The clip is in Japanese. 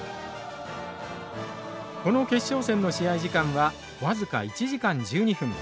この決勝戦の試合時間は僅か１時間１２分。